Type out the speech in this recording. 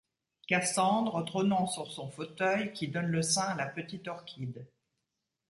Cassandre, trônant sur son fauteuil, qui donne le sein à la petite Orchide.